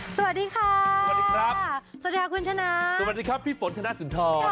สวัสดีค่ะสวัสดีครับสวัสดีค่ะคุณชนะสวัสดีครับพี่ฝนธนสุนทร